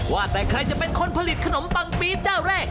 ว่าแต่ใครจะเป็นคนผลิตขนมปังปี๊ดเจ้าแรก